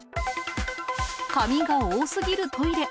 紙が多すぎるトイレ。